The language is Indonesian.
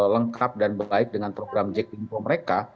lengkap dan baik dengan program jekinfo mereka